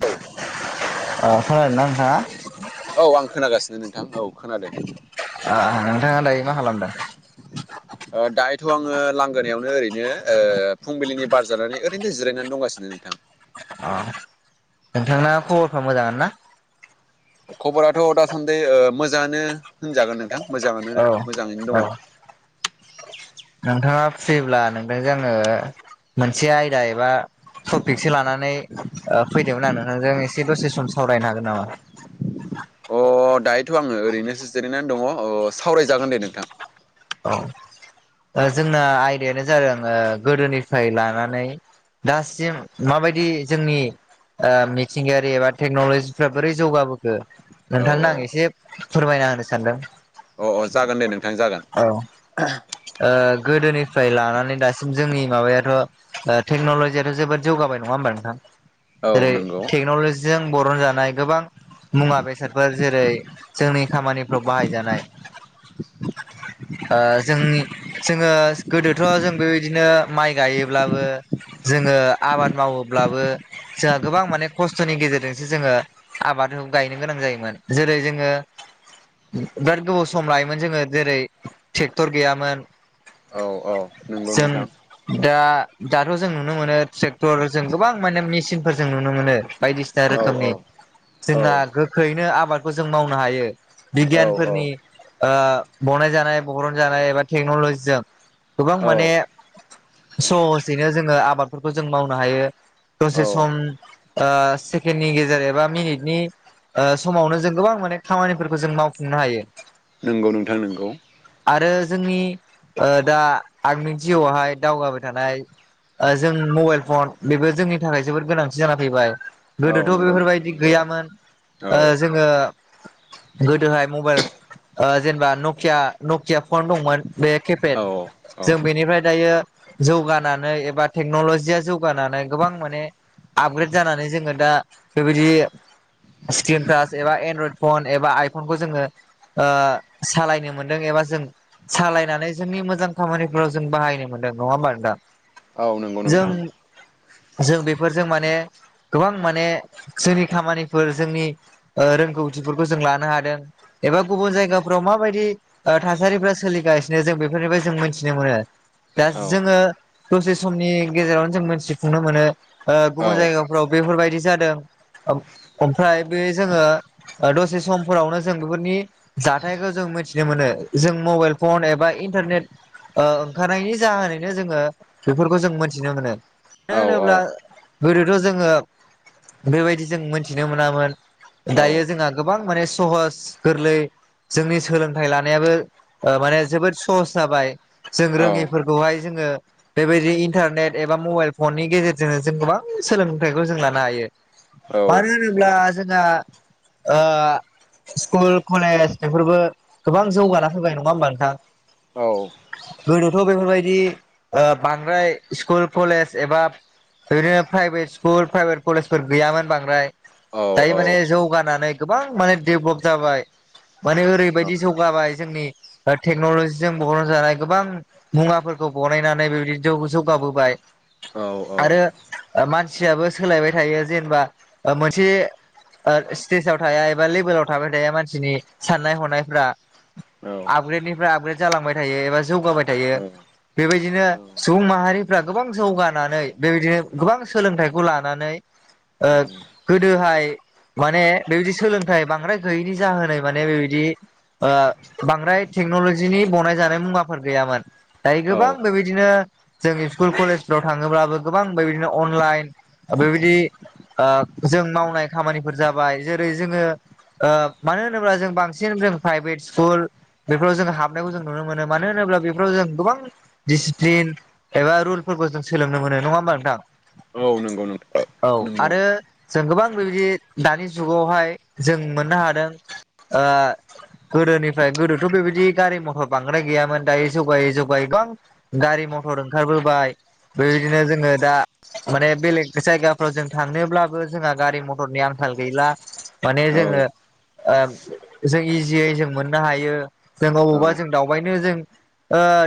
औ खोनादों ना नोंथाङा। औ आं खोनागासिनो नोंथां औ खोनादों। नोंथाङा दायो मा खालामदों। दायोथ' आङो लांगोनायावनो ओरैनो फुंबिलिनि बार जानानै ओरैनो जिरायनानै दंगासिनो। सिनोोंथां। अ नोंथांना खबरफ्रा मोजां ना। खबराथ' दासान्दि मोजाङानो होनजागोन नोंथां औ मोजाङानो मोजाङैनो औ दङ। नोंथाङा फ्रिब्ला नोंथांजों आङो मोनसे आयदा एबा। टपिकसो लानानै फैदोंमोन आं नोंथांजों एसे दसे सम सावरायनो हागोन नामा। अ दायोथ' आङो ओरैनोसो जिरायनानै दङ सावरायजागोन दे नोंथां। औ जोंना आयदायानो जादों गोदोनिफ्राय लानानै। दासिम माबायदि जोंनि। ओ मिथिंगायारि एबा टेक्न'लजिफ्रा बोरै जौगाबोखो औ नोंथांनो औ आं एसे फोरमायना होनो सानदों अ अ जागोन दे नोंथां जागोन औ ओ गोदोनिफ्राय लानानै दासिम जोंनि माबायाथ' ओ टेक्न'ल'जियाथ' जोबोद जौगाबाय नङा होमबा नोंथां औ जेरै नंगौ टेकन'लजि जों बरनजानाय गोबां मुवा बेसादफोर जेरै जोंनि खामानिफ्राव बाहायजानाय ओ जोंनि जोङो गोदोथ' जों बेबायदिनो माइ गायोब्लाबो जोङो आबाद मावोब्लाबो जोंहा गोबां माने खस्थ'नि गेजेरजोंसो जोङो आबाद गायनो गोनां जायोमोन जेरै जोङो बिराद गोबाव सम लायोमोन जोङो जेरै ट्रेक्टर गैयामोन औ औ नंगौ जों नोंथां दा दाथ' जों नुनो मोनो ट्रेक्टर जों गोबां माने मेसिनफोर जों नुनो मोनो बायदिसिना रो औ औ खोमनि औ जोंहा गोख्रैनो आबादखौ जों मावनो हायो औ बिगियानफोरनि औ ओ बनाय जानाय बरन जानाय एबा टेक्न'लजिजों गोबां औ माने सहजैनो जोङो आबादफोरखौ जों मावनो हायो। औ दसे सम ओ सेकेणडनि गेजेर एबा मिनिटनि आ समावनो जों गोबां माने खामानिफोरखौ जों मावफुंनो हायो। नंगौ नोंथां नोंगौ आरो जोंनि ओ दा आंनि जिउआवहाय दावगाबाय थानाय आ जों मबाइल फन बेबो जोंनि थाखाय जोबोद गोनांथि जाना फैबाय। औ गोदोथ' नंगौ नोंथां बेफोरबायदि नंगौ गैयामोन औ ओ जोङो गोदोहाय मबाइल ओ जेनेबा नकिया नकिया फन दंमोन बे केपेट औ औ जों बेनिफ्राय दायो जौगानानै एबा टेक्नलजिया जौगानानै गोबां माने आपग्रेड जानानै जोङो दा बेबायदि स्क्रिन टास एबा एनड्रयड फन एबा आइफनखौ जोङो ओ सालायनो मोन दों एबा जों सालायनानै जोंनि मोजां खामानिफोराव जों बाहायनो मोनदों नङा होमबा नोंथां औ नंगौ जों नोंथां जों बेफोरजों माने गोबां माने जोंनि खामानिफोर जोंनि ओ रोंगौथिफोरखौ जों लानो हादों। एबा गुबुन जायगाफ्राव माबायदि ओ थासारिफोरा सोलिगासिनो जों बेफोरनिफ्राय जों मिथिनो मोनो दा औ जोङो दसे समनि गेजेरावनो जों मोनथिफुंनो मोनो ओ गुबुन औ जायगाफोराव बेफोरबायदि जादों। ओम ओमफ्राय बे जोङो ओ दसे समफोरावनो जों बेफोरनि जाथायखौ जों मिथि नो मोनो जों मबाइल फन एबा इन्टारनेट ओ ओंखारनायनि जाहोनैनो जोङो बेफोरखौ जों मोनथिनो मोनो। नो औ होनोब्ला गोदोथ' जोङो बेबायदि जों मोनथिनो मोनामोन। औ औ दायो जोंहा गोबां माने सहस गोरलै जोंनि सोलों थाय लानायाबो ओ माने जोबोद सहस जाबाय जों औ रोङिफोरखौहाय जोङो बेबायदि इन्टारनेट एबा मबाइल फननि गेजेरजोंनो जों गोबां सोलोंथाइखौ जों लानो हायो। औ मानो होनोब्ला जोंहा ओ स्कुल कलेज बेफोरबो गोबां जौगाना फैबाय नङा होमबा नोंथां औ गोदोथ' बेफोरबायदि ओ बांद्राय स्कुल कलेज एबा ओदिनो प्राइभेट स्कुल प्राइभेट कलेजफोर गैयामोन बांद्राय दायो माने जौगानानै गोबां माने डेभलप जाबाय माने ओरैबायदि जौगाबाय जोंनि ओ टेक्न'लजिजों बरनजानाय गोबां मुवाफोरखौ बनायनानै बेबायदिनो जौ-जौगाबोबाय। आरो मानसियाबो सोलायबाय थायो जेनेबा मोनसे ओ स्टेजाव थाया एबा लेभेलाव थाबाय थाया मानसिनि साननाय हनायफ्रा आपग्रेडनिफ्राय आपग्रेड जालांबाय थायो एबा जौगाबाय थायो। बेबायदिनो सुबुं माहारिफ्रा गोबां जौगानानै बेबायदिनो गोबां सोलोंथाइखौ लानानै गोदोहाय माने बेबायदि सोलोंथाइ बांद्राय गैयैनि जाहोनै माने बेबायदि आ बांद्राय टेक्न'लजिनि बनाय जानाय मुवाफोर गैयामोन। दायो औ गोबां बेबायदिनो जों स्कुल कलेजफ्राव थाङोब्लाबो गोबां बेबायदिनो अनलाइन बेबायदि जों मावनाय खामानिफोर जाबाय जेरै जोङो मानो होनोब्ला जों बांसिन जों प्राइभेट स्कुल बेफोराव जों हाबनायखौ जों नुनो मोनो मानो होनोब्ला बेफोराव जों गोबां दिडिसिप्लिन एबा रुलफोरखौ जों सोलोंनो मोनो नङा होमबा नोंथां औ नंगौ नोंथां औ नंगौ आरो जों गोबां बेबायदि दानि जुगावहाय जों मोननो हादों गोदोनिफ्राय गोदोथ' बेबायदि गारि मथर बांद्राय गैयामोन दाय जगायै जगायैं गारि मथर ओंखारबोबाय बेबायदिनो जोङो दा माने बेलेग जायगाफ्राव जों थांनोब्लाबो जोंहा गारि मथरनि आंखाल गैला माने औ जोङो जों इजियै जों मोननो हायो जों अबावबा जों दावबायनो जों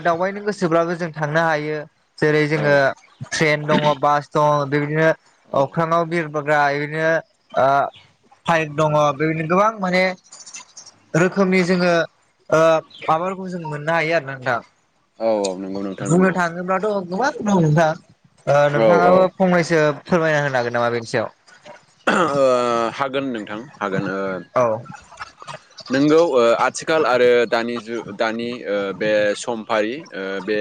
दावबायनो गोसोब्लाबो जों थांनो हायो जेरै औ जोङो ट्रेन दङ बास दं बेबायदिनो अख्राङाव बिरबोग्रा बिदिनो पाइक दङ बेबायनो गोबां माने रोखोमनि जोङो माबाफोरखौ जों मोननो हायो आरो ना दा औ औ नंगौ नोंथां नंगौ होनोब्लाथ' गोबां दं नोंथाङा औ औ नोंथाङाबो फंनैसो फोरमायना होनो हागोन नामा बेनि सायाव आ हागोन नोंथां हागोन औ नोंगौ आथिखाल आरो दानि जुग दानि बे समफारि बे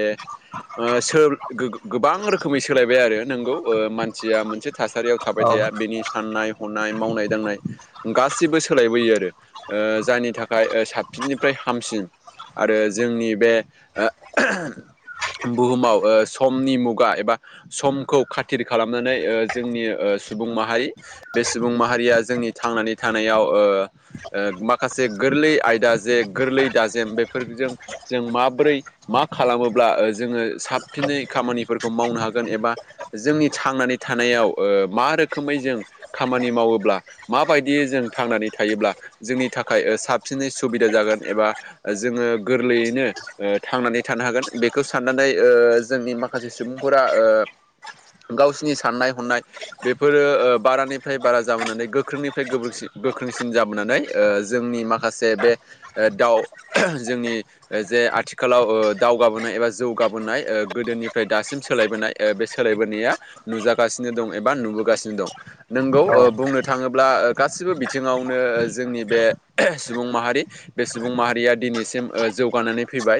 गोबां रोखोमै सोलायबाय आरो नोंगौ मानसिया मोनसे थासारियाव औ थाबाय थाया बेनि साननाय हनाय मावनाय दांनाय गासिबो सोलायबोयो आरो जायनि थाखाय साबसिननिफ्राय हामसिन आरो जोंनि बे बुहुमाव समनि मुगा एबा समखौ खाथिर खालामनानै जोंनि सुबुं माहारि बे सुबुं माहारिया जोंनि थांनानै थानायाव माखासे गोरलै आयदा जे गोरलै दाजेम बेफोरजों जों माबोरै मा खालामोब्ला जोङो साबसिनै खामानिफोरखौ मावनो हागोन एबा जोंनि थांनानै थानायाव मा रोखोमै जों खामानि मावोब्ला माबायदि जों थांनानै थायोब्ला जोंनि थाखाय साबसिनै सुबिदा जागोन एबा जोङो गोरलैयैनो थांनानै थानो हागोन बेखौ साननानै जोंनि माखासे सुबुंफोरा गावसिनि साननाय हनाय बेफोरो बारानि निफ्राय बारा जाबोनानै गोख्रोंनिफ्राय गो गोख्रोंसिन जाबोनानै जोंनि माखासे बे दाउ जोंनि जे आथिखालाव दावगाबोनाय एबा जौगाबोनाय गोदोनिफ्राय दासिम सोलायबोनाय बे सोलायबोनाया नुजागासिनो दं एबा नुबोगासिनो दं नोंगौ औ बुंनो थाङोब्ला गासिबो बिथिङावनो जोंनि बे सुबुं माहारि बे सुबुं माहारिया दिनैसिम जौगानानै फैबाय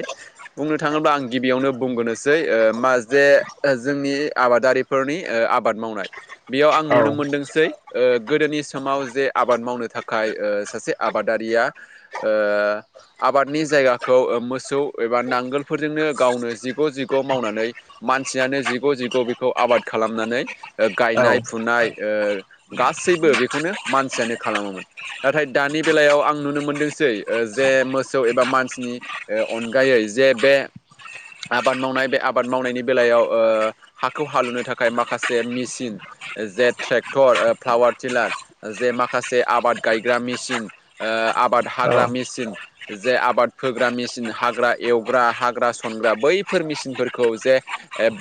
बुंनो थाङोब्ला आं गिबियावनो बुंग्रोनोसै मा जे जोंनि आबादारि फोरनि आबाद मावनाय बेयाव आं औ नुनो मोनदों गासै ओ गोदोनि समाव जे आबाद मावनो थाखाय सासे आबादारिया ओ आबादनि जायगाखौ मोसौ एबा नांगोलफोरजोंनो गावनो जिग' जिग' मावनानै मानसियानो जिग' जिग' बेखौ आबाद खालामनानै औ गायनाय फुनाय ओ गासैबो बेखौनो मानसियानो खालामोमोन। नाथाय दानि बेलायाव आं नुनो मोनदोंसै जे मोसौ एबा मानसिनि अनगयै जे बे आबाद मावनाय बे आबाद मावनायनि बेलायाव ओ हाखौ हालेवनो थाखाय माखासे मेचिन जे ट्रेक् टेक्टर फ्लावार टिलार जे माखासे आबाद गायग्रा मेसिन ओ आबा बा औ हाग्रा मेसिन जे आबाद फोग्रा मेचिन हाग्रा एवग्रा हाग्रा सनग्रा बैफोर मेसिनफोरखौ जे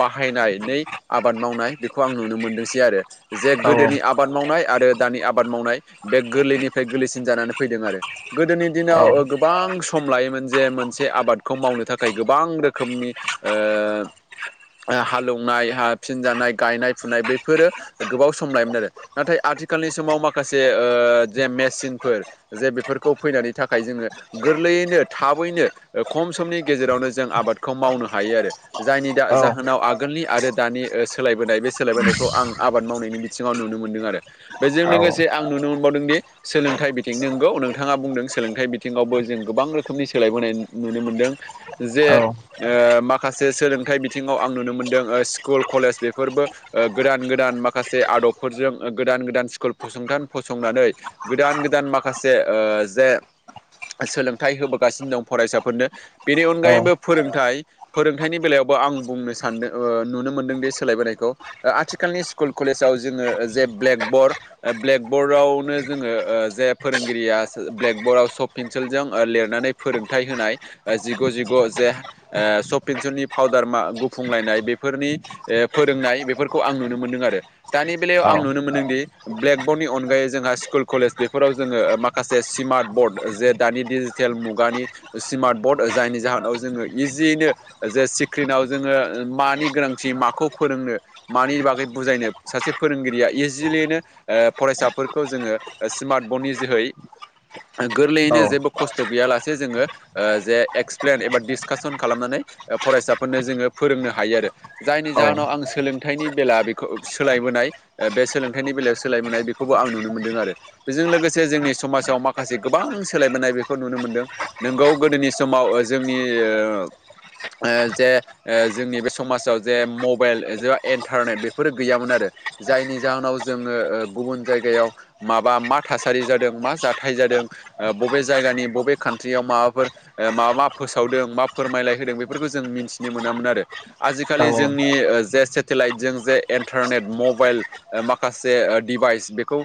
बाहाय नै आबाद मावनाय बेखौ आं नुनो मोनदोंसै आरो जे औ औ गोदोनि आबाद मावनाय आरो दानि आबाद मावनाय बे गोरलैनिफ्राय गोरलैसिन जानानै फैदों आरो। गोदोनि औ दिनाव गोबां सम लायोमोन जे मोनसे आबादखौ मावनो थाखाय गोबां रोखोमनि ओ हालेवनाय हा फिन जानाय गायनाय फुनाय बेफोरो गोबाव। सम लायोमोन आरो नाथाय आथिखालनि समाव माखासे ओ जे मेचनफोर जे बेफोरखौ फैनानै थाखाय जोङो गोरलैयैनो थाबैनो खम समनि गेजेरावनो जों आबादखौ मावनो हायो आरो। जायनि दा औ जाहोनाव आगोलनि आरो दानि सोलायबोनाय बे सोलायबोनायखौ आं आबाद मावनायनि बि सिङाव नुनो मोनदों आरो बेजों लोगोसे आं नुनो मोनबावदों दि सोलोंथाइ बिथिं नंगौ नोंथाङा बुंदों सोलोंथाइ बिथिङावबो जों गोबां रोखोमनि सोलायबोनाय नुनो मोनदों। जे औ औ ओ माखासे सोलोंथाइ बिथिङाव आं नुनो मोनदों स्कुल कलेज बेफोरबो गोदान गोदान माखासे आदबफोरजों गोदान गोदान स्कुल फसंथान फसंनानै गोदान गोदान माखासे ओ जे सोलोंथाइ होबोगासिनो दं फरायसाफोरनो बेनि अनगायैबो फोरोंथायाइ फोरोंथाइनि बेलायावबो आं बुंनो सानदों नुनो मोनदोंदि सोलायबोनायखौ आथिखालनि स्कुल कलेजाव जोङो जे ब्लेक बर्ड ब्लेक बरर्डआवनो जोङो जे फोरोंगिरिया ब्लेकबर्डआव सफ पेन्सिलजों लिरनानै फोरोंथाइ होनाय जिगु जिगु जे ओ सपिन्सननि पाउदार मा गुफुंलायनाय बेफोरनि ओ फोरोंनाय बेफोरखौ आं नुनो मोनदों आरो दानि बेलायाव आं नुनो मोनदोंदि ब्लेक बर्डनि अनगायै जोंहा स्कुल कलेज बेफोराव जोङो माखासे स्मार्ट बर्ड जे दानि थेल मुगानि स्मार्ट बर्ड जायनि जाहोनाव जोङो इजियैनो जे सिक्रिनाव जोङो मानि गोनांथि माखौ फोरोंनो मानि बागै बुजायनो। सासे फोरोंगिरिया इजिलियैनो ओ फरायसाफोरखौ जोङो स्मार्ट बननि जोहै गोरलैयैनो जेबो औ खस्थ' गैयालासे जोङो। जे एक्सप्लेन एबा डिसकासन खालामनानै फरायसाफोरनो जोङो फोरोंनो हायो आरो। जायनि जाहोनाव आं सोलोंथाइनि बेला बेखौ सोलायबोनाय बे सोलोंथाइनि बेलायाव सोलायबोनाय बेखौबो आं नुनो मोनदों आरो। बेजों लोगोसे जोंनि समाजाव माखासे गोबां सोलायबोनाय बेखौ नुनो मोनदों। नोंगौ गोदोनि समाव जोंनि जे जोंनि बे समाजाव जे मबाइल जबा इन्टारनेट बे फोर गैयामोन आरो जायनि जाहोनाव जोङो गुबुन जायगायाव माबा मा थासारि जादों मा जाथाय जादों बबे जायगानि बबे कान्ट्रियाव माबाफोर मा मा फोसावदों मा फोरमायलाय होदों बेफोरखौ जों मिथिनो मोनामोन आरो। आजिखालि जोंनि जे सेटेलाइटजों जे इन्टारनेट मबाइल माखासे डिभाइस बेखौ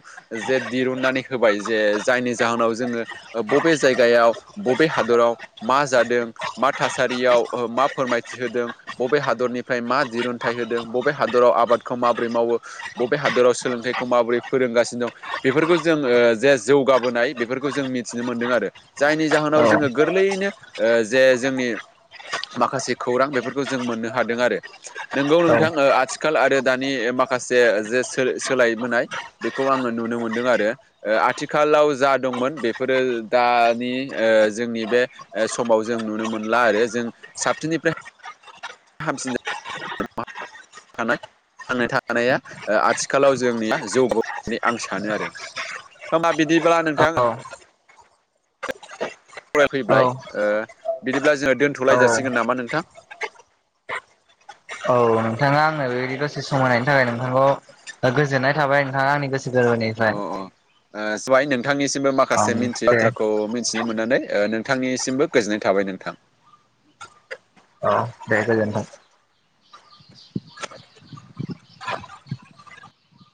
जे दिरुननानै होबाय जे जायनि जाहोनाव जोङो बबे जायगायाव बबे हादराव मा जादों मा थासारियाव मा फोरमायथि होदों। बबे हादरनिफ्राय मा दिरुनथाइ होदों बबे हादराव आबादखौ माबोरै मावो। बबे हादराव सोलोंथाइखौ माबोरै फोरोंगासिनो दं। बेफोरखौ जों ओ जे जौगाबोनाय बेफोरखौ जों मिथिनो मोनदों आरो जायनि जाहोनाव जोङो गोरलैयैनो जे जोंनि माखासे खौरां बेफोरखौ जों मोननो हादों आरो नोंगौ नोंथां आथिखाल आरो दानि माखासे जे सो-सोलायबोनाय बेखौ आङो नुनो मोनदों आरो ओ आथिखालाव जा दंमोन बेफोरो दानि ओ जोंनि बे ओ समाव जों नुनो मोनला आरो जों साबसिननिफ्राय हामसि ना मा थानाय थांनानै थानाया ओ आथिखालाव जोंनिया जौग होननानै आं सानो आरो होमा बिदिब्ला नोंथाङा औ फरायफैबाय ओ बिदिब्ला जोङो औ दोनथ'लाय जासिगोन नामा नोंथां औ नोंथाङा आंनो बेदि दससे समहायनायनि थाखाय नोंथांखौ ओ गोजोननाय थाबाय नोंथाङा आंनि गोसो गोरबोनि अ अ नाय ओ सवाइ नोंथांनिसिमबो ओं माखासे मिथि दे बाथ्राखौ मि थिनो मोननानै ओ नोंथांनिसिमबो गोजोननाय थाबाय नोंथां। अ दे गोजोन्थों [inaudible]